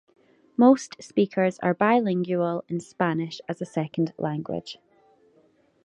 Most speakers are bilingual in Spanish as a second language.